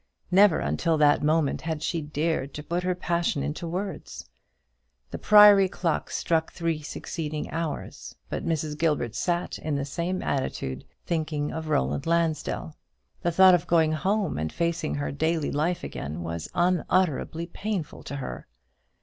Never until that moment had she dared to put her passion into words. The Priory clocks struck three succeeding hours, but Mrs. Gilbert sat in the same attitude, thinking of Roland Lansdell. The thought of going home and facing her daily life again was unutterably painful to her.